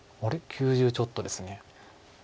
９０ちょっとです。